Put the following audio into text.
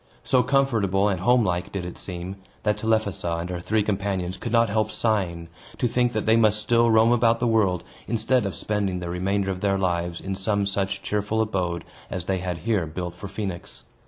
So comfortable and home like did it seem, that Telephassa and her three companions could not help sighing, to think that they must still roam about the world, instead of spending the remainder of their lives in some such cheerful abode as they had here built for Phoenix.